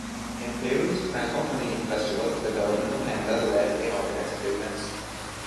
In Peru's Francophonie festival, the Government of Canada led in organizing the events.